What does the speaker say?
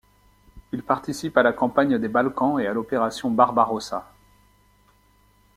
Il participe à la campagne des Balkans et à l'opération Barbarossa.